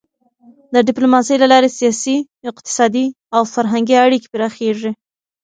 د ډيپلوماسی له لارې سیاسي، اقتصادي او فرهنګي اړیکې پراخېږي.